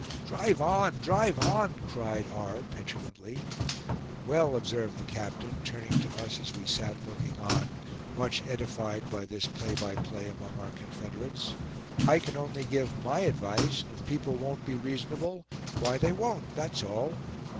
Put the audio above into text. "Drive on! drive on!" cried R. petulantly. "Well," observed the captain, turning to us as we sat looking on, much edified by this by play among our confederates, "I can only give my advice and if people won't be reasonable, why, they won't; that's all!"